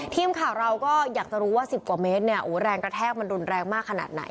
ทีมข่าวเราก็อยากจะรู้ว่า๑๐กว่าเมตรเนี่ยแรงกระแทกมันรุนแรงมากขนาดไหน